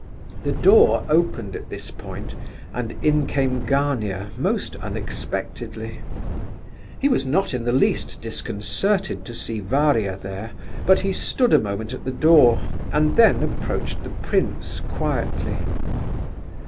The door opened at this point, and in came Gania most unexpectedly. He was not in the least disconcerted to see Varia there, but he stood a moment at the door, and then approached the prince quietly.